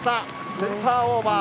センターオーバー。